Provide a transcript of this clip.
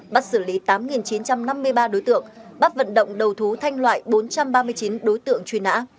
bắt xử lý tám chín trăm năm mươi ba đối tượng bắt vận động đầu thú thanh loại bốn trăm ba mươi chín đối tượng truy nã